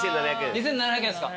２，７００円っすか？